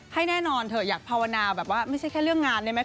ให้แน่นอนเถอะอยากภาวนาแบบว่าไม่ใช่แค่เรื่องงานได้ไหม